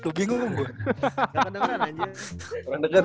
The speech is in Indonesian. kurang deket kurang deket